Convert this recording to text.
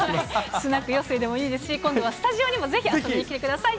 スナックヨッセーでもいいですし、今度はスタジオにもぜひ遊びに来てください。